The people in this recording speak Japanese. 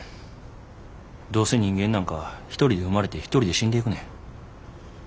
どうせ人間なんか一人で生まれて一人で死んでいくねん。